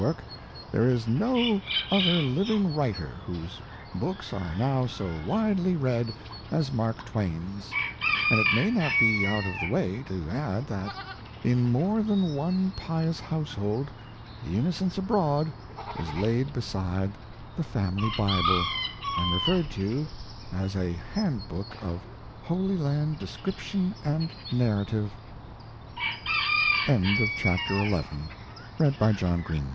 work, there is no other living writer, whose books are now so widely read as Mark Twain s; and it may not be out of the way to add that in more than onar pious household, the "Innocents Abroad/* is laid beside the family Bible, and re* ferred to as a hand book of Holy description and narrativ